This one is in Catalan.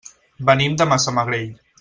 Venim de Massamagrell.